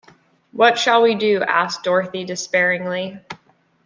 What shall we do? asked Dorothy, despairingly.